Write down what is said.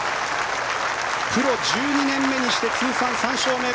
プロ１２年目にして通算３勝目。